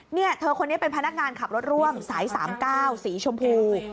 เนี่ยเธอคนนี้เป็นพนักงานขับรถร่วมสาย๓๙สีชมพู